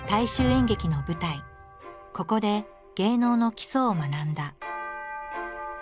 ここで芸能の基礎を学んだ。